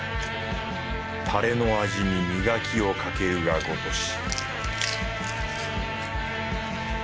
タレの味に磨きをかけるがごとし